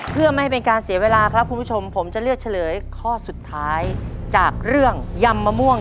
เพื่อไม่ให้เป็นการเสียเวลาครับคุณผู้ชม